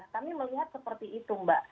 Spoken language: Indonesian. kami melihat seperti itu mbak